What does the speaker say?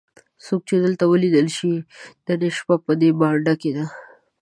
څوک چې دلته ولیدل شي نن یې شپه په دې بانډه کې ده.